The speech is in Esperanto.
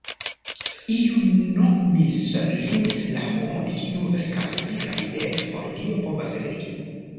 Iu nomis lin "la homon kiu verkas pli rapide ol Dio povas legi".